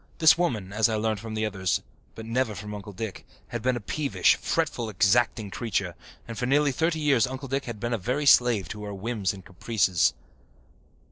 This woman, as I learned from others, but never from Uncle Dick, had been a peevish, fretful, exacting creature, and for nearly thirty years Uncle Dick had been a very slave to her whims and caprices.